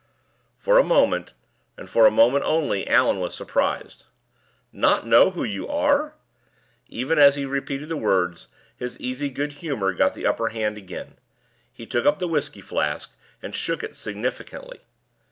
For a moment, and for a moment only, Allan was surprised. "Not know who you are?" Even as he repeated the words, his easy goodhumor got the upper hand again. He took up the whisky flask, and shook it significantly.